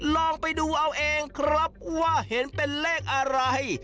ลองไปดูเอาเองครับว่าเห็นเป็นเลขอะไร